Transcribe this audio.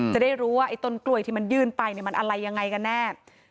จะได้รู้ว่าไอ้ต้นกล้วยที่มันยื่นไปมันอะไรยังไงกันแน่